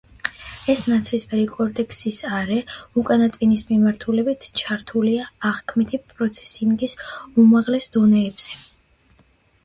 ეს ნაცრისფერი კორტექსის არე უკანა ტვინის მიმართულებით ჩართულია აღქმითი პროცესინგის უმაღლეს დონეებზე.